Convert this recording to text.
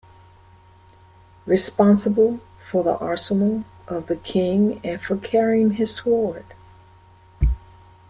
Responsible for the arsenal of the King and for carrying his sword.